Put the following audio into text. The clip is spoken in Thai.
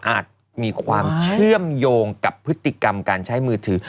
มีความเชื่อมโยงกับพฤติกรรมการใช้มือถือ